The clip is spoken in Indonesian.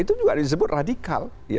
itu juga disebut radikal